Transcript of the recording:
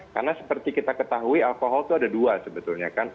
karena seperti kita ketahui alkohol itu ada dua sebetulnya kan